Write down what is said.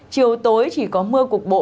chiều tối chỉ có mưa cục bộ